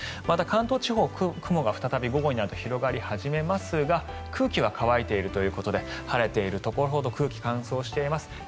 また、関東地方、雲が再び午後になると広がり始めますが空気は乾いているということで晴れているところほど空気乾燥しています。